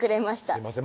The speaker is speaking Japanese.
すいません